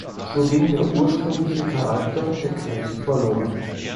So ging der ursprüngliche Charakter der Kirche verloren.